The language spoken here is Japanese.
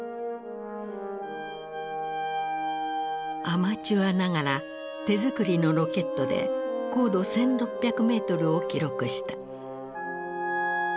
アマチュアながら手作りのロケットで高度１，６００ｍを記録した。